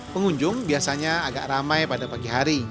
pengunjung biasanya agak ramai pada pagi hari